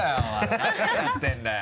何年やってんだよ。